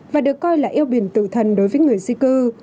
và được coi là eo biển tử thần đối với người di cư